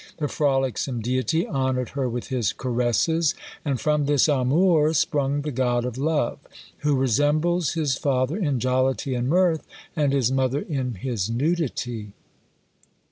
The frolicsome deity honoured her with his caresses; and from this amour sprung the god of Love, who resembles his father in jollity and mirth, and his mother in his nudity.